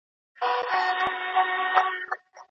ستونزي حل کيږي.